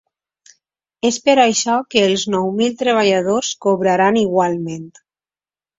És per això que els nou mil treballadors cobraran igualment.